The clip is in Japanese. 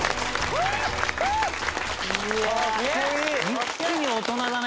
一気に大人だね。